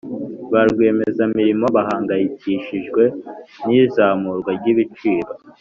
barwiyemezamirimo bahangayikishijwe nizamurwa ryibiciro